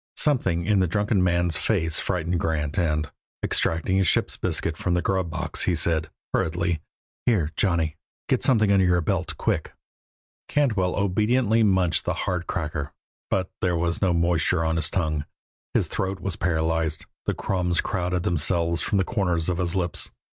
Something in the drunken man's face frightened Grant and, extracting a ship's biscuit from the grub box, he said, hurriedly: "Here, Johnny. Get something under your belt, quick." Cantwell obediently munched the hard cracker, but there was no moisture on his tongue; his throat was paralyzed; the crumbs crowded themselves from the corners of his lips.